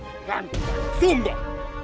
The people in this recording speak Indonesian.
dan berani sumber